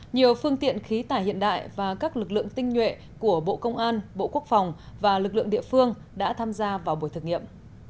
nhiều phương tiện khí tải hiện đại và các lực lượng tinh nhuệ của bộ công an bộ quốc phòng và lực lượng địa phương đã tham gia vào buổi thực nghiệm